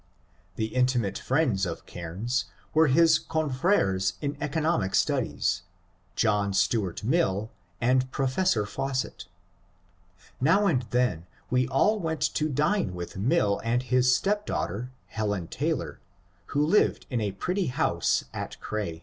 The intimate friends of Caimes were his confreres in economic studies, — John Stuart Mill and Professor Fawcett. Now and then we all went to dine with Mill and his stepdaughter, Helen Taylor, who lived in a pretty house at Cray.